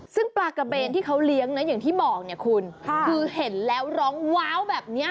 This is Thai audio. ซึ่งปลากระเบนที่เขาเลี้ยงนะอย่างที่บอกเนี่ยคุณคือเห็นแล้วร้องว้าวแบบนี้